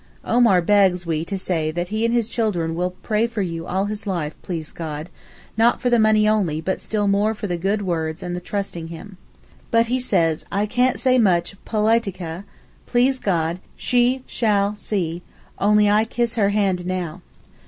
Omar begs we to say that he and his children will pray for you all his life, please God, not for the money only but still more for the good words and the trusting him. But he says, 'I can't say much politikeh, Please God she shall see, only I kiss her hand now.